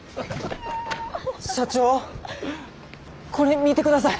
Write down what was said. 社長これ見てください。